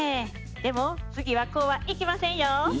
でも次はこうはいきませんよ！